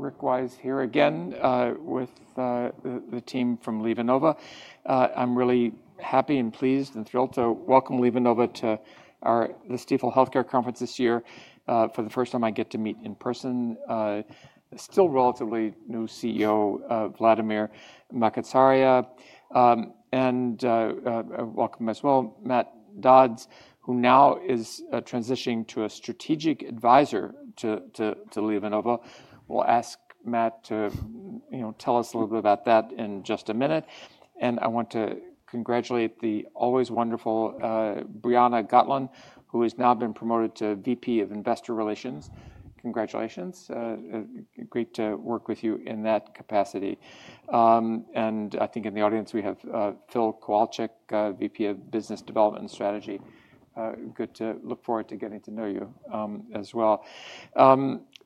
Rick Wise here again with the team from LivaNova. I'm really happy and pleased and thrilled to welcome LivaNova to our Stifel Healthcare Conference this year. For the first time, I get to meet in person the still relatively new CEO, Vladimir Makatsaria, and welcome as well Matt Dodds, who now is transitioning to a strategic advisor to LivaNova. We'll ask Matt to tell us a little bit about that in just a minute. And I want to congratulate the always wonderful Brianna Gotlin, who has now been promoted to VP of Investor Relations. Congratulations. Great to work with you in that capacity. And I think in the audience we have Phil Kowalczyk, VP of Business Development and Strategy. Good to look forward to getting to know you as well.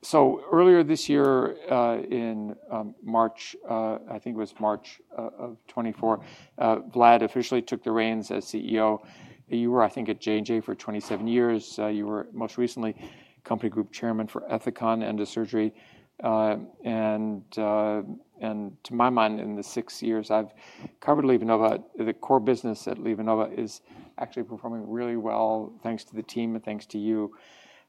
So earlier this year, in March, I think it was March of 2024, Vlad officially took the reins as CEO. You were, I think, at J&J for 27 years. You were most recently company group chairman for Ethicon Endo-Surgery. And to my mind, in the six years I've covered LivaNova, the core business at LivaNova is actually performing really well, thanks to the team and thanks to you.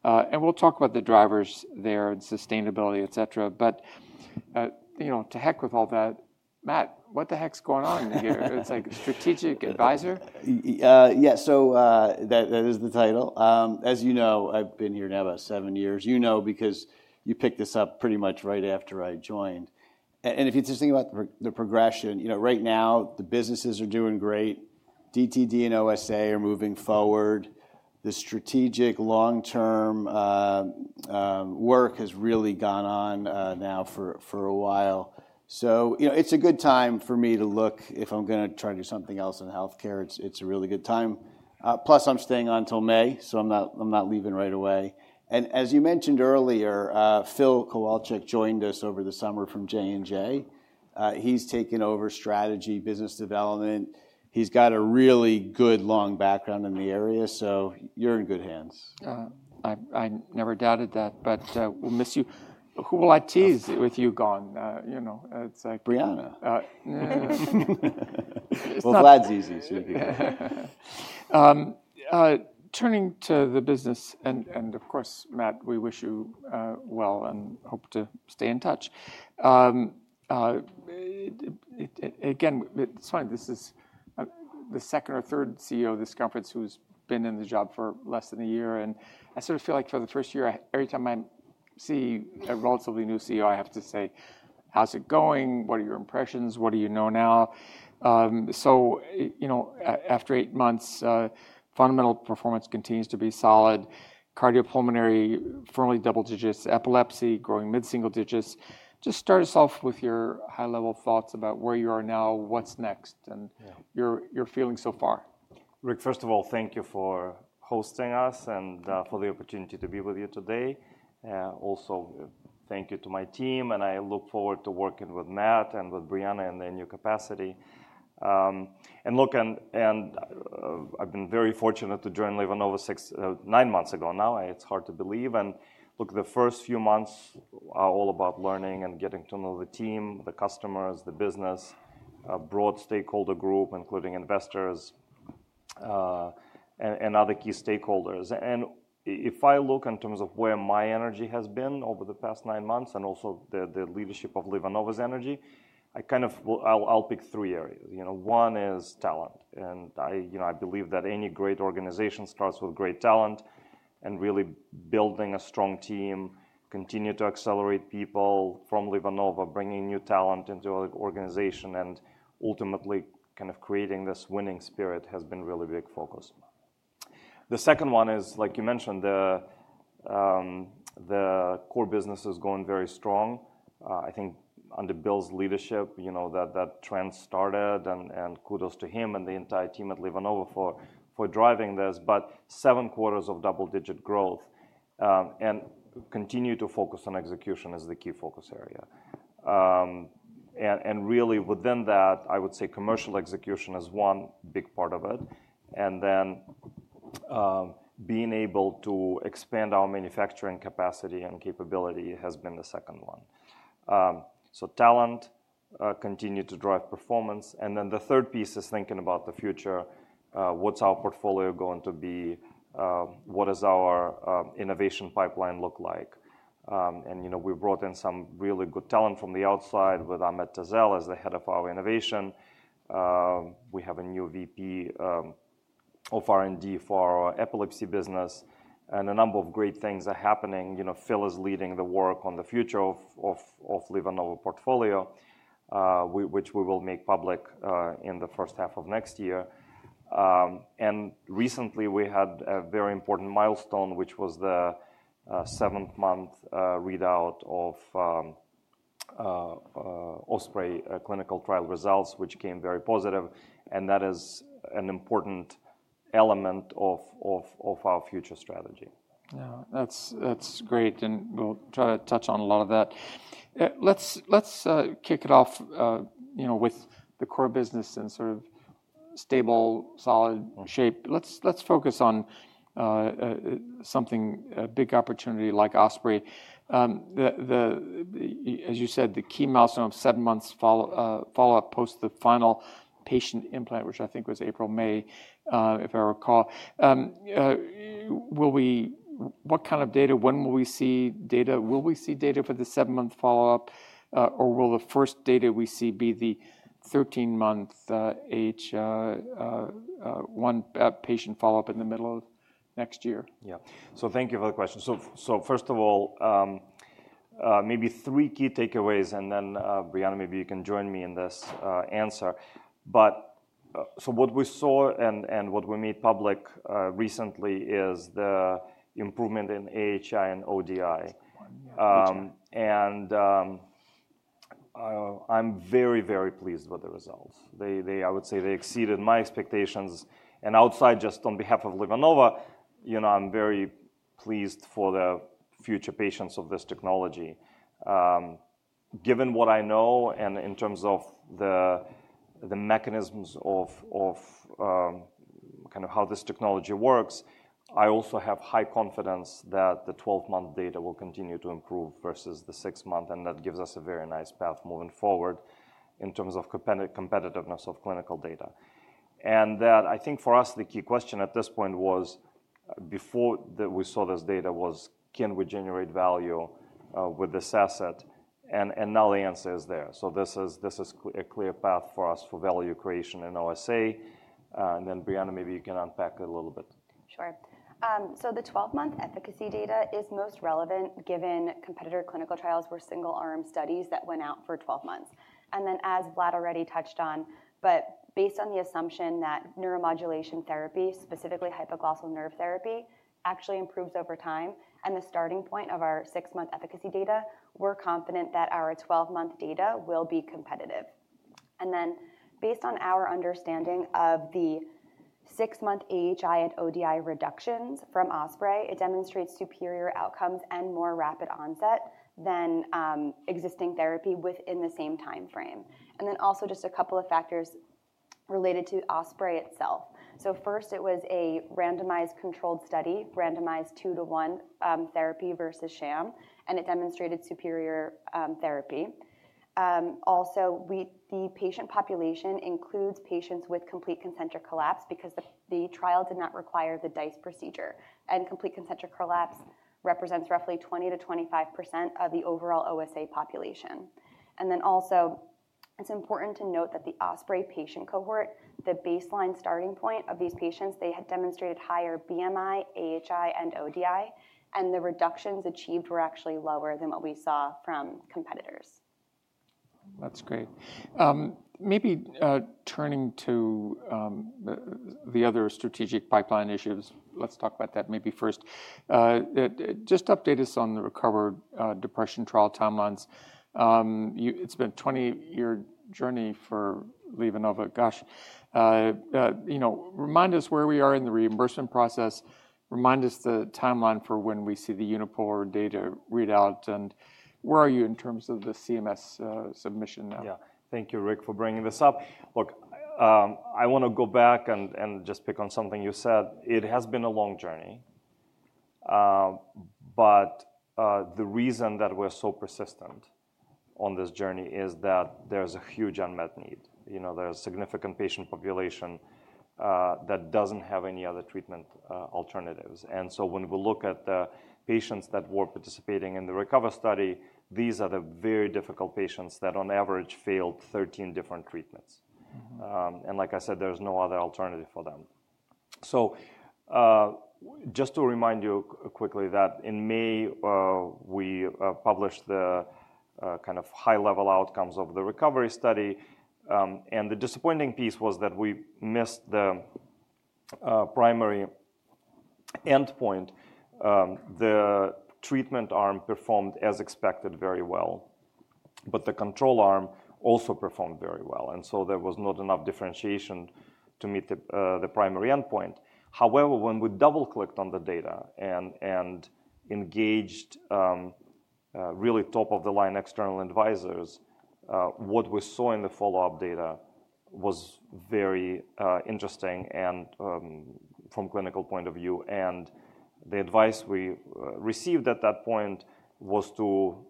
And we'll talk about the drivers there and sustainability, et cetera. But to heck with all that, Matt, what the heck's going on here? It's like strategic advisor? Yeah, so that is the title. As you know, I've been here now about seven years. You know, because you picked this up pretty much right after I joined. And if you just think about the progression, right now the businesses are doing great. DTD and OSA are moving forward. The strategic long-term work has really gone on now for a while. So it's a good time for me to look if I'm going to try to do something else in healthcare. It's a really good time. Plus, I'm staying on until May, so I'm not leaving right away. And as you mentioned earlier, Phil Kowalczyk joined us over the summer from J&J. He's taken over strategy, business development. He's got a really good long background in the area, so you're in good hands. I never doubted that, but we'll miss you. Who will I tease with you gone? Brianna. Vlad's easy. Turning to the business, and of course, Matt, we wish you well and hope to stay in touch. Again, it's fine. This is the second or third CEO of this conference who's been in the job for less than a year. And I sort of feel like for the first year, every time I see a relatively new CEO, I have to say, how's it going? What are your impressions? What do you know now? So after eight months, fundamental performance continues to be solid. Cardiopulmonary, firmly double digits. Epilepsy, growing mid-single digits. Just start us off with your high-level thoughts about where you are now, what's next, and your feelings so far. Rick, first of all, thank you for hosting us and for the opportunity to be with you today. Also, thank you to my team, and I look forward to working with Matt and with Brianna in their new capacity. And look, I've been very fortunate to join LivaNova nine months ago now. It's hard to believe. And look, the first few months are all about learning and getting to know the team, the customers, the business, a broad stakeholder group, including investors and other key stakeholders. And if I look in terms of where my energy has been over the past nine months and also the leadership of LivaNova's energy, I kind of I'll pick three areas. One is talent. And I believe that any great organization starts with great talent and really building a strong team, continue to accelerate people from LivaNova, bringing new talent into an organization, and ultimately kind of creating this winning spirit has been really a big focus. The second one is, like you mentioned, the core business is going very strong. I think under Bill's leadership, that trend started, and kudos to him and the entire team at LivaNova for driving this, but seven quarters of double-digit growth and continue to focus on execution as the key focus area. And really within that, I would say commercial execution is one big part of it. And then being able to expand our manufacturing capacity and capability has been the second one. So talent continues to drive performance. And then the third piece is thinking about the future. What's our portfolio going to be? What does our innovation pipeline look like? And we brought in some really good talent from the outside with Ahmet Tezel as the head of our innovation. We have a new VP of R&D for our epilepsy business, and a number of great things are happening. Phil is leading the work on the future of LivaNova portfolio, which we will make public in the first half of next year. And recently, we had a very important milestone, which was the seventh-month readout of Osprey clinical trial results, which came very positive. And that is an important element of our future strategy. Yeah, that's great. And we'll try to touch on a lot of that. Let's kick it off with the core business and sort of stable, solid shape. Let's focus on something, a big opportunity like Osprey. As you said, the key milestone of seven months follow-up post the final patient implant, which I think was April, May, if I recall. What kind of data? When will we see data? Will we see data for the seven-month follow-up, or will the first data we see be the 13-month H1 patient follow-up in the middle of next year? Yeah. So thank you for the question. So first of all, maybe three key takeaways, and then Brianna, maybe you can join me in this answer. But so what we saw and what we made public recently is the improvement in AHI and ODI. And I'm very, very pleased with the results. I would say they exceeded my expectations. And outside, just on behalf of LivaNova, I'm very pleased for the future patients of this technology. Given what I know and in terms of the mechanisms of kind of how this technology works, I also have high confidence that the 12-month data will continue to improve versus the six-month, and that gives us a very nice path moving forward in terms of competitiveness of clinical data. And that, I think, for us, the key question at this point was, before we saw this data, was, can we generate value with this asset? And now the answer is there. So this is a clear path for us for value creation in OSA. And then Brianna, maybe you can unpack it a little bit. Sure. So the 12-month efficacy data is most relevant given competitor clinical trials were single-arm studies that went out for 12 months. And then, as Vlad already touched on, but based on the assumption that neuromodulation therapy, specifically hypoglossal nerve therapy, actually improves over time, and the starting point of our six-month efficacy data, we're confident that our 12-month data will be competitive. And then based on our understanding of the six-month AHI and ODI reductions from Osprey, it demonstrates superior outcomes and more rapid onset than existing therapy within the same timeframe. And then also just a couple of factors related to Osprey itself. So first, it was a randomized controlled study, randomized two-to-one therapy versus sham, and it demonstrated superior therapy. Also, the patient population includes patients with complete concentric collapse because the trial did not require the DICE procedure. Complete concentric collapse represents roughly 20%-25% of the overall OSA population. Then also, it's important to note that the Osprey patient cohort, the baseline starting point of these patients, they had demonstrated higher BMI, AHI, and ODI, and the reductions achieved were actually lower than what we saw from competitors. That's great. Maybe turning to the other strategic pipeline issues, let's talk about that maybe first. Just update us on the RECOVER depression trial timelines. It's been a 20-year journey for LivaNova. Gosh. Remind us where we are in the reimbursement process. Remind us the timeline for when we see the unipolar data readout. And where are you in terms of the CMS submission now? Yeah. Thank you, Rick, for bringing this up. Look, I want to go back and just pick on something you said. It has been a long journey, but the reason that we're so persistent on this journey is that there's a huge unmet need. There's a significant patient population that doesn't have any other treatment alternatives, and so when we look at the patients that were participating in the RECOVER study, these are the very difficult patients that on average failed 13 different treatments, and like I said, there's no other alternative for them, so just to remind you quickly that in May, we published the kind of high-level outcomes of the RECOVER study, and the disappointing piece was that we missed the primary endpoint. The treatment arm performed as expected very well, but the control arm also performed very well. And so there was not enough differentiation to meet the primary endpoint. However, when we double-clicked on the data and engaged really top-of-the-line external advisors, what we saw in the follow-up data was very interesting from a clinical point of view. And the advice we received at that point was to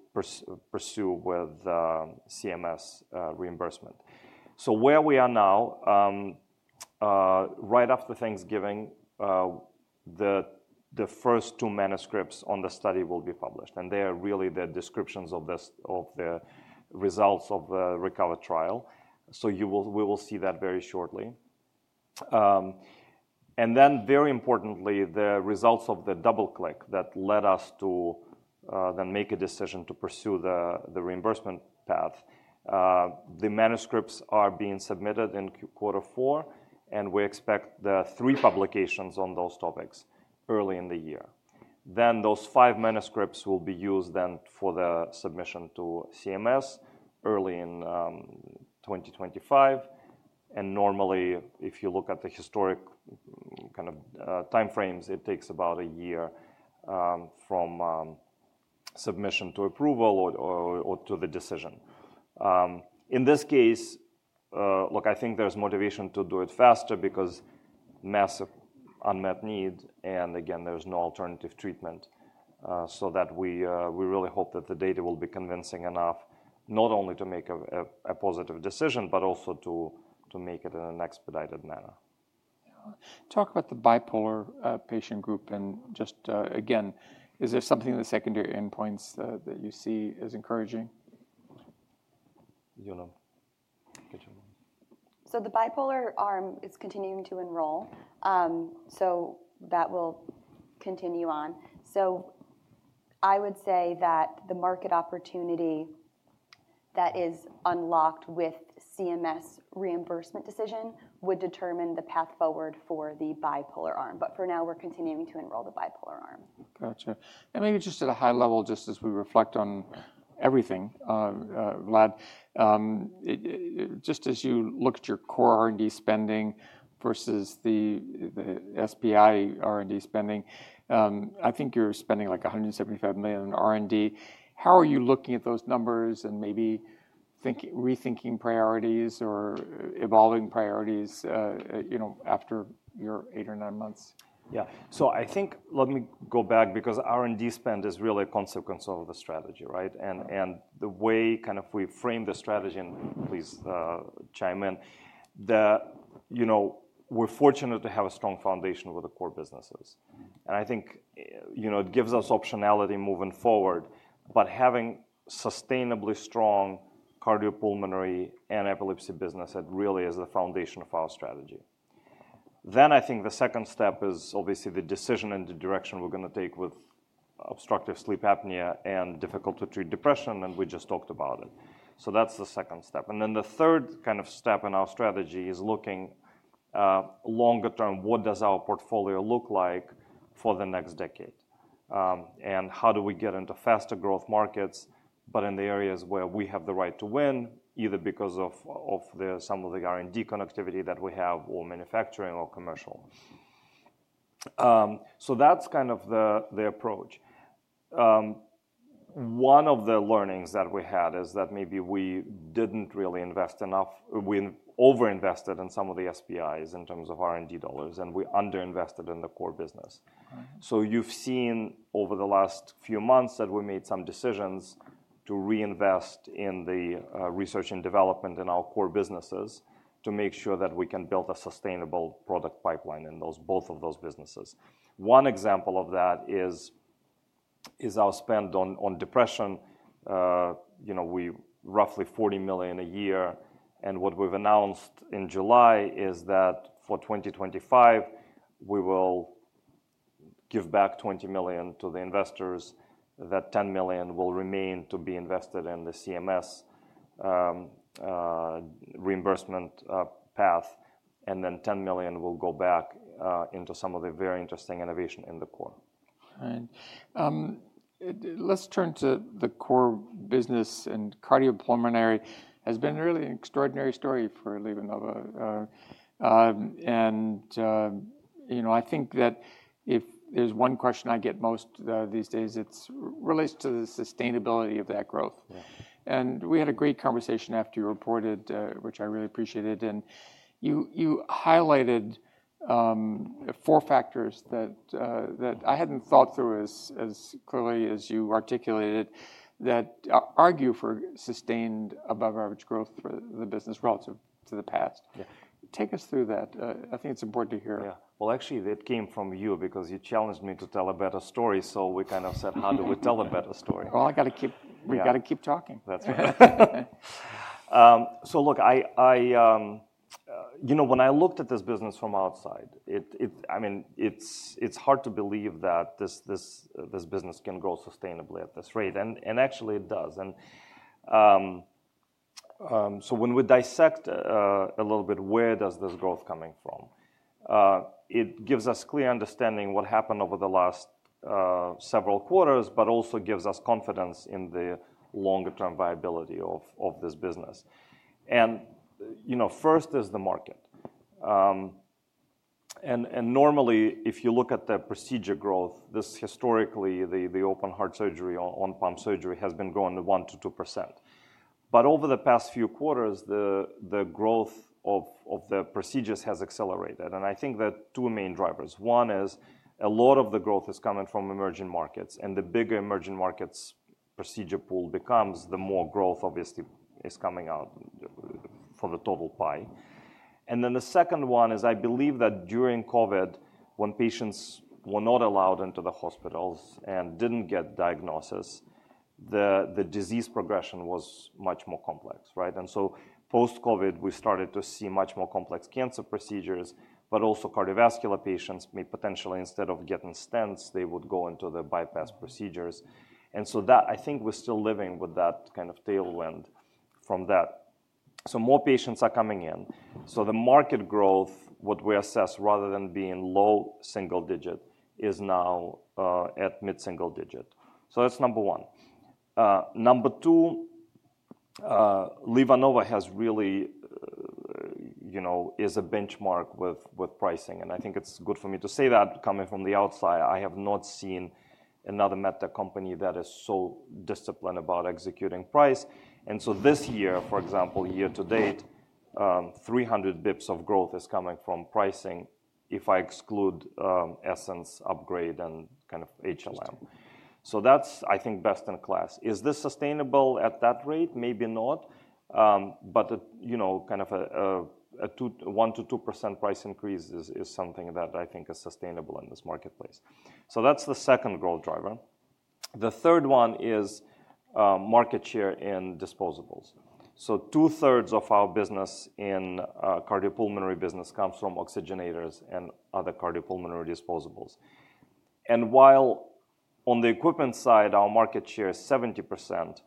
pursue with CMS reimbursement. So where we are now, right after Thanksgiving, the first two manuscripts on the study will be published. And they are really the descriptions of the results of the RECOVER trial. So we will see that very shortly. And then very importantly, the results of the double-click that led us to then make a decision to pursue the reimbursement path. The manuscripts are being submitted in quarter four, and we expect the three publications on those topics early in the year. Then those five manuscripts will be used then for the submission to CMS early in 2025. Normally, if you look at the historic kind of timeframes, it takes about a year from submission to approval or to the decision. In this case, look, I think there's motivation to do it faster because massive unmet need, and again, there's no alternative treatment. We really hope that the data will be convincing enough not only to make a positive decision, but also to make it in an expedited manner. Talk about the bipolar patient group, and just again, is there something in the secondary endpoints that you see as encouraging? So the bipolar arm is continuing to enroll. So that will continue on. So I would say that the market opportunity that is unlocked with CMS reimbursement decision would determine the path forward for the bipolar arm. But for now, we're continuing to enroll the bipolar arm. Gotcha. And maybe just at a high level, just as we reflect on everything, Vlad, just as you look at your core R&D spending versus the SPI R&D spending, I think you're spending like $175 million in R&D. How are you looking at those numbers and maybe rethinking priorities or evolving priorities after your eight or nine months? Yeah. So I think let me go back because R&D spend is really a consequence of the strategy, right, and the way kind of we frame the strategy, and please chime in, we're fortunate to have a strong foundation with the core businesses, and I think it gives us optionality moving forward, but having sustainably strong Cardiopulmonary and Epilepsy business, it really is the foundation of our strategy, then I think the second step is obviously the decision and the direction we're going to take with obstructive sleep apnea and difficult-to-treat depression, and we just talked about it, so that's the second step, and then the third kind of step in our strategy is looking longer term, what does our portfolio look like for the next decade? And how do we get into faster growth markets, but in the areas where we have the right to win, either because of some of the R&D connectivity that we have or manufacturing or commercial? So that's kind of the approach. One of the learnings that we had is that maybe we didn't really invest enough. We over-invested in some of the SPIs in terms of R&D dollars, and we under-invested in the core business. So you've seen over the last few months that we made some decisions to reinvest in the research and development in our core businesses to make sure that we can build a sustainable product pipeline in both of those businesses. One example of that is our spend on depression. We roughly $40 million a year. And what we've announced in July is that for 2025, we will give back $20 million to the investors. That $10 million will remain to be invested in the CMS reimbursement path, and then $10 million will go back into some of the very interesting innovation in the core. Right. Let's turn to the core business. And cardiopulmonary has been a really extraordinary story for LivaNova. And I think that if there's one question I get most these days, it relates to the sustainability of that growth. And we had a great conversation after you reported, which I really appreciated. And you highlighted four factors that I hadn't thought through as clearly as you articulated that argue for sustained above-average growth for the business relative to the past. Take us through that. I think it's important to hear. Yeah. Well, actually, that came from you because you challenged me to tell a better story. So we kind of said, how do we tell a better story? We got to keep talking. That's right. So look, when I looked at this business from outside, I mean, it's hard to believe that this business can grow sustainably at this rate. And actually, it does. And so when we dissect a little bit, where does this growth coming from? It gives us clear understanding what happened over the last several quarters, but also gives us confidence in the longer-term viability of this business. And first is the market. And normally, if you look at the procedure growth, this historically, the open heart surgery on pump surgery has been growing 1%-2%. But over the past few quarters, the growth of the procedures has accelerated. And I think there are two main drivers. One is a lot of the growth is coming from emerging markets. And the bigger emerging markets procedure pool becomes, the more growth obviously is coming out for the total pie. And then the second one is, I believe that during COVID, when patients were not allowed into the hospitals and didn't get diagnosis, the disease progression was much more complex, right? And so post-COVID, we started to see much more complex cancer procedures, but also cardiovascular patients may potentially, instead of getting stents, they would go into the bypass procedures. And so that I think we're still living with that kind of tailwind from that. So more patients are coming in. So the market growth, what we assess rather than being low single-digit, is now at mid-single-digit. So that's number one. Number two, LivaNova has really is a benchmark with pricing. And I think it's good for me to say that coming from the outside. I have not seen another medtech company that is so disciplined about executing price. And so this year, for example, year to date, 300 basis points of growth is coming from pricing if I exclude Essenz, Upgrade, and kind of HLM. So that's, I think, best in class. Is this sustainable at that rate? Maybe not. But kind of a 1% to 2% price increase is something that I think is sustainable in this marketplace. So that's the second growth driver. The third one is market share in disposables. So two-thirds of our business in cardiopulmonary business comes from oxygenators and other cardiopulmonary disposables. And while on the equipment side, our market share is 70%,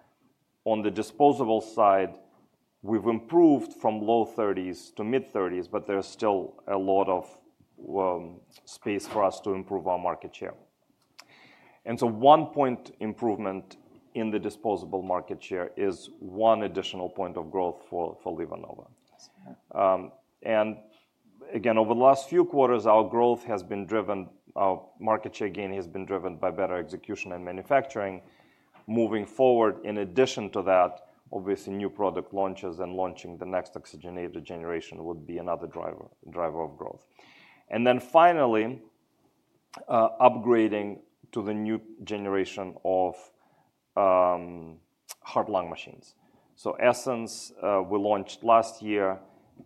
on the disposable side, we've improved from low 30s to mid-30s, but there's still a lot of space for us to improve our market share. And so one point improvement in the disposable market share is one additional point of growth for LivaNova. Over the last few quarters, our growth has been driven. Our market share gain has been driven by better execution and manufacturing. Moving forward, in addition to that, obviously, new product launches and launching the next oxygenator generation would be another driver of growth. Then finally, upgrading to the new generation of heart-lung machines. So Essenz, we launched last year.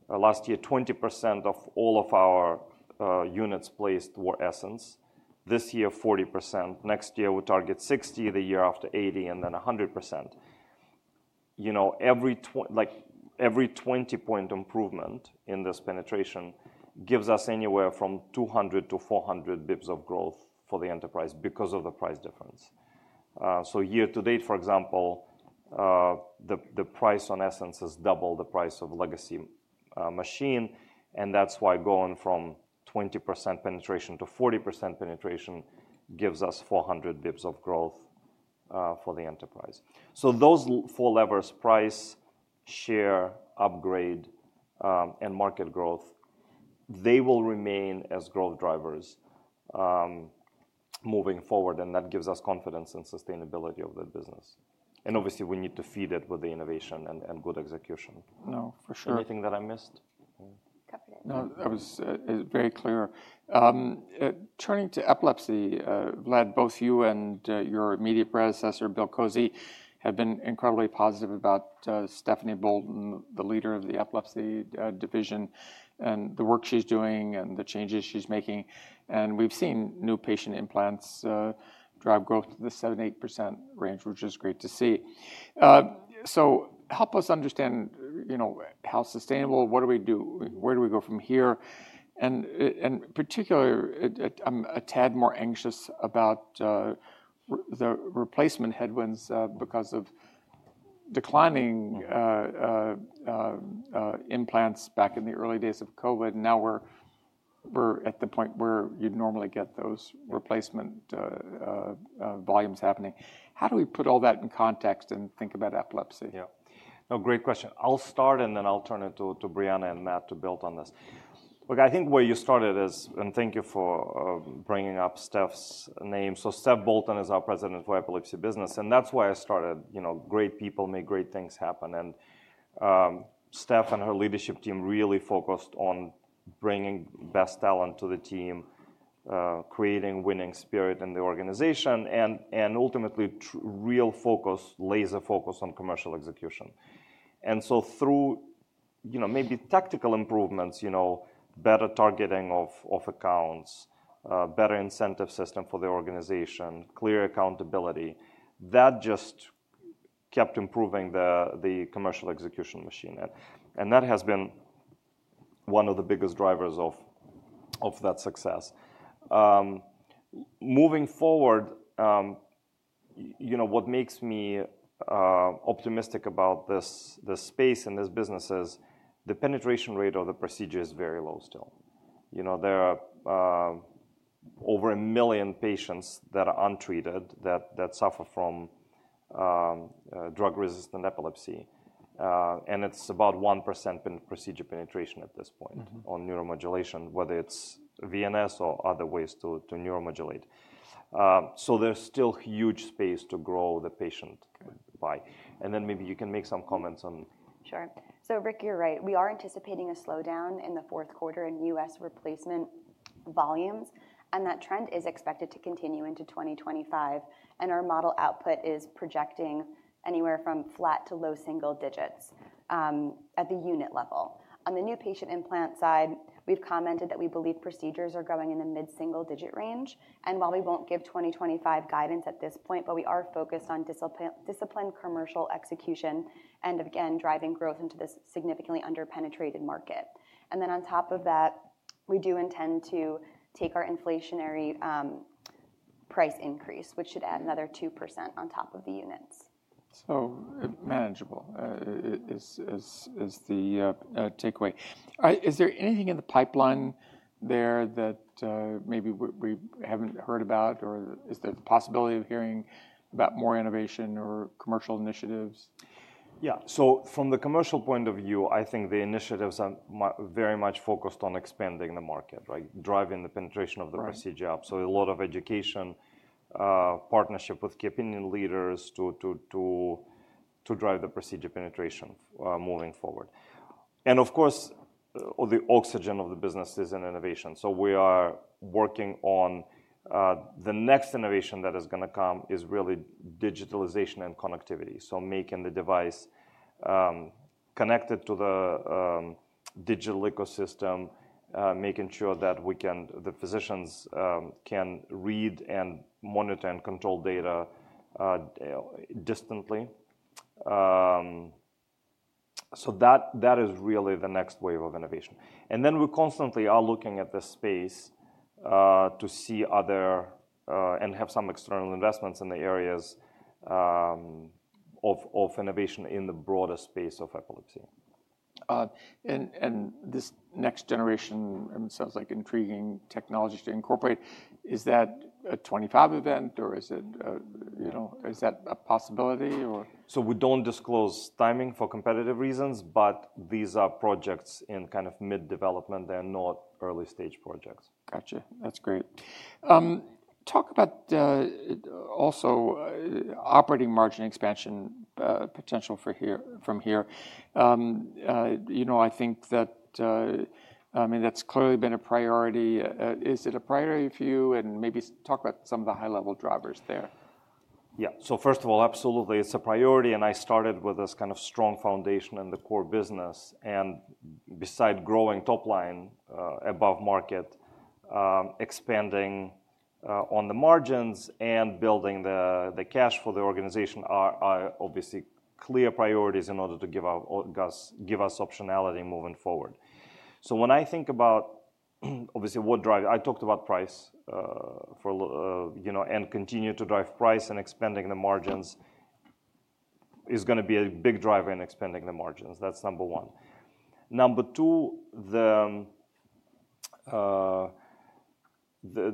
Last year, 20% of all of our units placed were Essenz. This year, 40%. Next year, we target 60%, the year after 80%, and then 100%. Every 20-point improvement in this penetration gives us anywhere from 200 to 400 basis points of growth for the enterprise because of the price difference. So year to date, for example, the price on Essenz is double the price of legacy machine. And that's why going from 20% penetration to 40% penetration gives us 400 basis points of growth for the enterprise. So those four levers, price, share, upgrade, and market growth, they will remain as growth drivers moving forward. And that gives us confidence in sustainability of the business. And obviously, we need to feed it with the innovation and good execution. No, for sure. Anything that I missed? No, that was very clear. Turning to epilepsy, Vlad, both you and your immediate predecessor, Bill Kozy, have been incredibly positive about Stephanie Bolton, the leader of the epilepsy division, and the work she's doing and the changes she's making. We have seen new patient implants drive growth to the 7%-8% range, which is great to see. Help us understand how sustainable, what do we do, where do we go from here. Particularly, I'm a tad more anxious about the replacement headwinds because of declining implants back in the early days of COVID. Now we're at the point where you'd normally get those replacement volumes happening. How do we put all that in context and think about epilepsy? Yeah. No, great question. I'll start, and then I'll turn it to Brianna and Matt to build on this. Look, I think where you started is, and thank you for bringing up Steph's name. So Steph Bolton is our president for epilepsy business. And that's why I started. Great people make great things happen. And Steph and her leadership team really focused on bringing best talent to the team, creating winning spirit in the organization, and ultimately, real focus, laser focus on commercial execution. And so through maybe tactical improvements, better targeting of accounts, better incentive system for the organization, clear accountability, that just kept improving the commercial execution machine. And that has been one of the biggest drivers of that success. Moving forward, what makes me optimistic about this space and this business is the penetration rate of the procedure is very low still. There are over a million patients that are untreated that suffer from drug-resistant epilepsy. And it's about 1% procedure penetration at this point on neuromodulation, whether it's VNS or other ways to neuromodulate. So there's still huge space to grow the patient by. And then maybe you can make some comments on. Sure. So Rick, you're right. We are anticipating a slowdown in the fourth quarter in U.S. replacement volumes, and that trend is expected to continue into 2025. Our model output is projecting anywhere from flat to low single digits at the unit level. On the new patient implant side, we've commented that we believe procedures are going in the mid-single digit range, while we won't give 2025 guidance at this point, but we are focused on disciplined commercial execution and, again, driving growth into this significantly under-penetrated market, and then on top of that, we do intend to take our inflationary price increase, which should add another 2% on top of the units. Manageable is the takeaway. Is there anything in the pipeline there that maybe we haven't heard about, or is there the possibility of hearing about more innovation or commercial initiatives? Yeah. So from the commercial point of view, I think the initiatives are very much focused on expanding the market, driving the penetration of the procedure up. So a lot of education, partnership with key opinion leaders to drive the procedure penetration moving forward. And of course, the oxygen of the business is in innovation. So we are working on the next innovation that is going to come is really digitalization and connectivity. So making the device connected to the digital ecosystem, making sure that the physicians can read and monitor and control data distantly. So that is really the next wave of innovation. And then we constantly are looking at this space to see other and have some external investments in the areas of innovation in the broader space of epilepsy. This next generation, it sounds like intriguing technology to incorporate. Is that a '25 event, or is that a possibility, or? So we don't disclose timing for competitive reasons, but these are projects in kind of mid-development. They are not early-stage projects. Gotcha. That's great. Talk about also operating margin expansion potential from here. I think that, I mean, that's clearly been a priority. Is it a priority for you, and maybe talk about some of the high-level drivers there. Yeah. So first of all, absolutely, it's a priority. And I started with this kind of strong foundation in the core business. And beside growing top line above market, expanding on the margins and building the cash for the organization are obviously clear priorities in order to give us optionality moving forward. So when I think about, obviously, what drives I talked about price and continue to drive price and expanding the margins is going to be a big driver in expanding the margins. That's number one. Number two, the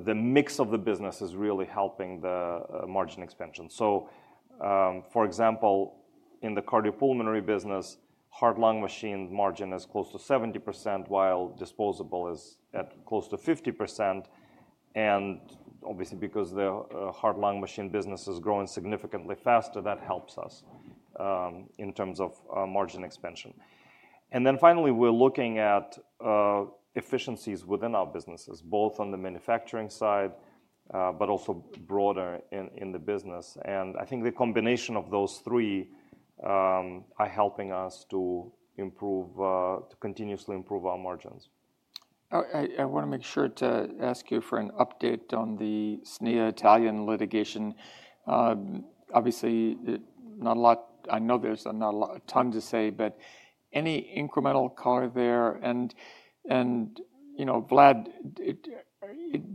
mix of the business is really helping the margin expansion. So for example, in the cardiopulmonary business, heart-lung machine margin is close to 70%, while disposable is at close to 50%. And obviously, because the heart-lung machine business is growing significantly faster, that helps us in terms of margin expansion. And then finally, we're looking at efficiencies within our businesses, both on the manufacturing side, but also broader in the business. And I think the combination of those three are helping us to continuously improve our margins. I want to make sure to ask you for an update on the SNIA Italian litigation. Obviously, not a lot. I know there's not a lot of time to say, but any incremental color there? And Vlad,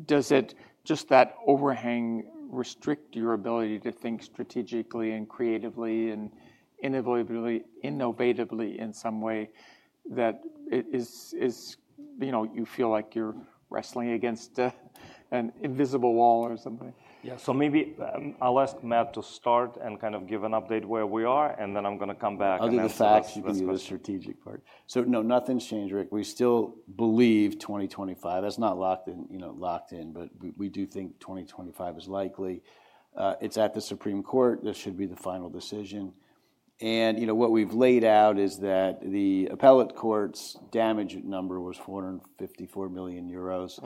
does just that overhang restrict your ability to think strategically and creatively and innovatively in some way that you feel like you're wrestling against an invisible wall or something? Yeah. So maybe I'll ask Matt to start and kind of give an update where we are. And then I'm going to come back and Ask you the strategic part. So no, nothing's changed, Rick. We still believe 2025. That's not locked in, but we do think 2025 is likely. It's at the Supreme Court. There should be the final decision. And what we've laid out is that the appellate court's damage number was 454 million euros.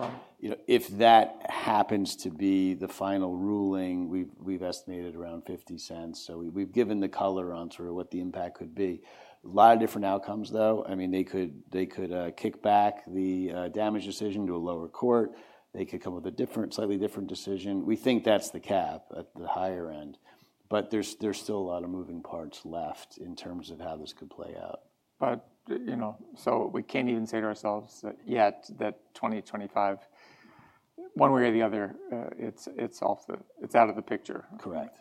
If that happens to be the final ruling, we've estimated around $0.50. So we've given the color on sort of what the impact could be. A lot of different outcomes, though. I mean, they could kick back the damage decision to a lower court. They could come up with a slightly different decision. We think that's the cap at the higher end. But there's still a lot of moving parts left in terms of how this could play out. But so we can't even say to ourselves yet that 2025, one way or the other, it's out of the picture. Correct.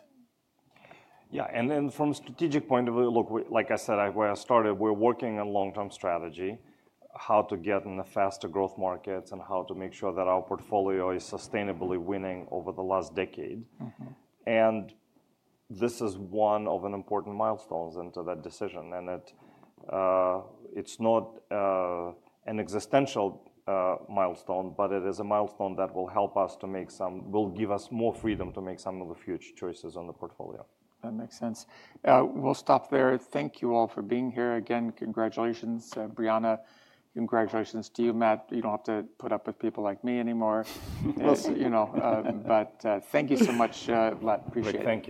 Yeah, and then from a strategic point of view, look, like I said, where I started, we're working on long-term strategy, how to get in the faster growth markets and how to make sure that our portfolio is sustainably winning over the last decade. This is one of the important milestones into that decision. It's not an existential milestone, but it is a milestone that will help us to make some will give us more freedom to make some of the future choices on the portfolio. That makes sense. We'll stop there. Thank you all for being here. Again, congratulations, Brianna. Congratulations to you, Matt. You don't have to put up with people like me anymore. But thank you so much, Vlad. Appreciate it.